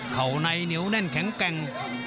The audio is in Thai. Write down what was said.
เข่าในนิ้วแน่นแข็งแกร่ง